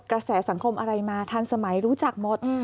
กระแสสังคมอะไรมาทันสมัยรู้จักหมด